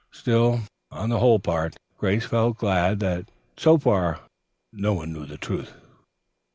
Still, on the whole, Grace felt glad that so far no one knew the truth.